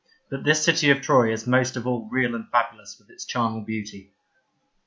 But this city of Troy is most of all real and fabulous with its charnel beauty.